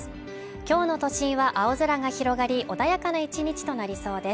今日の都心は青空が広がり穏やかな１日となりそうです